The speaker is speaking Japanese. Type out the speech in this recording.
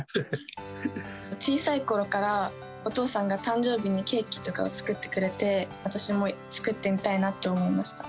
小さいころから、お父さんが誕生日にケーキとかを作ってくれて、私も作ってみたいなって思いました。